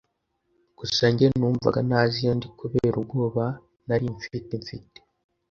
gusa njye numvaga ntazi iyo ndi kubera ubwoba nari mfite mfite